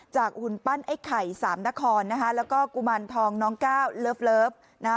หุ่นปั้นไอ้ไข่สามนครนะคะแล้วก็กุมารทองน้องก้าวเลิฟนะฮะ